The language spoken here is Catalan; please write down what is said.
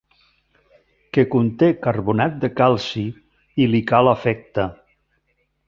Que conté carbonat de calci i li cal afecte.